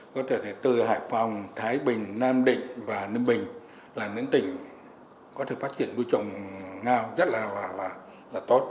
có thể từ hải phòng thái bình nam định và ninh bình là những tỉnh có thể phát triển nuôi trồng ngao rất là tốt